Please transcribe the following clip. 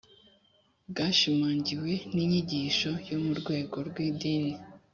bwashimangiwe n’inyigisho yo mu rwego rw’idini